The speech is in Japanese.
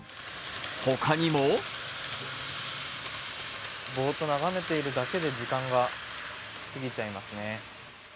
他にもボーッと眺めているだけで時間が過ぎちゃいますね。